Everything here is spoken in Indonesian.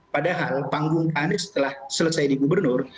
padahal panggung pak anies setelah selesai di gubernur